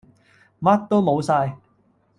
乜都冇曬